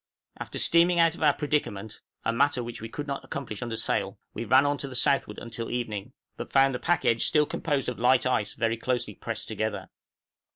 After steaming out of our predicament (a matter which we could not accomplish under sail) we ran on to the southward until evening, but found the pack edge still composed of light ice very closely pressed together.